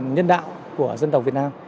nhân đạo của dân tộc việt nam